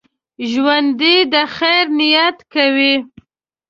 ژوندي د خیر نیت کوي